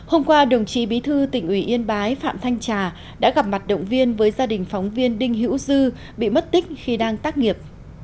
hôm qua đồng chí bí thư tỉnh ủy yên bái phạm thanh trà đã gặp mặt động viên với gia đình phóng viên đinh hữu dư bị mất tích khi đang tác nghiệp